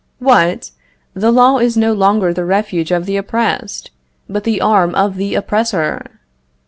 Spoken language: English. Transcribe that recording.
What! the law is no longer the refuge of the oppressed, but the arm of the oppressor!